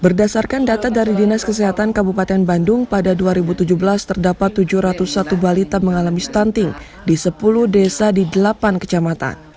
berdasarkan data dari dinas kesehatan kabupaten bandung pada dua ribu tujuh belas terdapat tujuh ratus satu balita mengalami stunting di sepuluh desa di delapan kecamatan